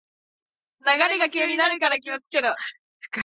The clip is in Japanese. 流れが急になるから気をつけろ